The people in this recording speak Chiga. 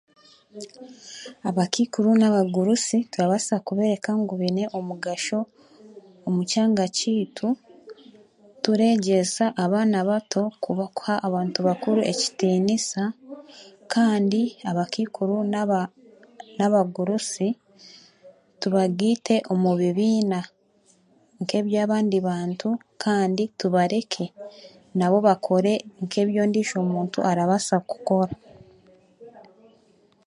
Abakaikuru n'abagurusi turabaasa kubereka ngu beine omugasho omu kyanga kyeitu tureegyeesa abaana bato kubakuha abantu bakuru ekitiniisa, kandi abakaikiru n'abagurusi tubageite omu bibiina nka eby'abandi bantu kandi tubareke nabo bakore nka ebya ondijo muntu arabaasa kukora.